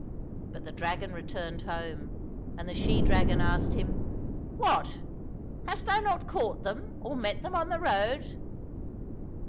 But the dragon returned home, and the she dragon asked him, " What ! hast thou not caught them or met them on the road